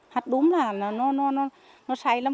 hát đúm là nó say lắm